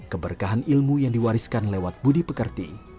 keberkahan ilmu yang diwariskan lewat budi pekerti